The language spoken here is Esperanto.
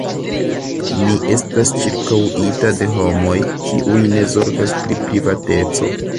Mi estas ĉirkaŭita de homoj, kiuj ne zorgas pri privateco.